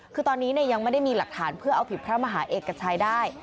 คือตอนนี้ยังไม่ได้มีหลักฐานเพื่อเอาผิดพระมหาเอกชัยได้